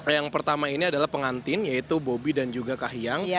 yang pertama ini adalah pengantin yaitu bobi dan juga kahiyang